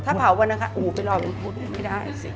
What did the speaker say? ถ้าเผาวันอังคารอูไปนอนวันพุธไม่ได้สิ